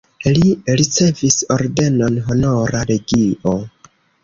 Li ricevis ordenon Honora legio.